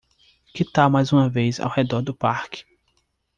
Que tal mais uma vez ao redor do parque?